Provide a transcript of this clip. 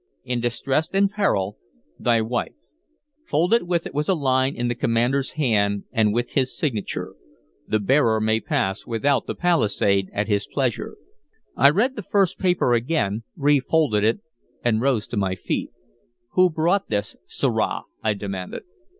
In distress and peril, THY WIFE. Folded with it was a line in the commander's hand and with his signature: "The bearer may pass without the palisade at his pleasure." I read the first paper again, refolded it, and rose to my feet. "Who brought this, sirrah?" I demanded.